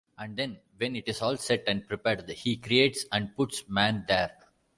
And then, when it's all set and prepared, he creates and puts man there.